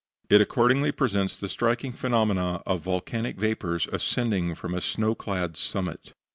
It accordingly presents the striking phenomenon of volcanic vapors ascending from a snow clad summit.